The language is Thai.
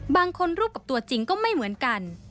รูปกับตัวจริงก็ไม่เหมือนกัน